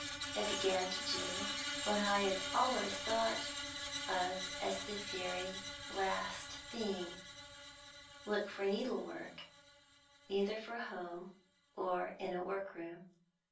I began to do what I had always thought of as the very last thing, look for needlework, either for home or in a workroom.